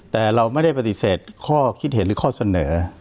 แต่เราไม่ได้ปฏิเสธข้อคิดเห็นหรือข้อเสนอ